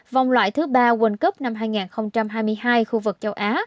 vòng loại thứ ba world cup năm hai nghìn hai mươi hai khu vực châu á